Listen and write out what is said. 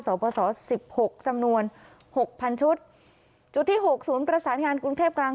สปส๑๖จำนวน๖๐๐๐ชุดจุดที่หกศูนย์ประสานงานกรุงเทพกลาง